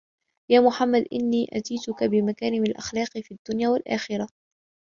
يَا مُحَمَّدُ إنِّي أَتَيْتُك بِمَكَارِمِ الْأَخْلَاقِ فِي الدُّنْيَا وَالْآخِرَةِ